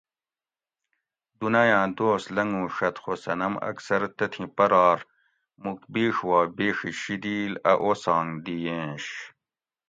دُنایاں دوس لنگوڛت خو صنم اکثر تتھیں پرار موک بیڛ وا بیڛی شیدیل اۤ اوسانگ دی ینیش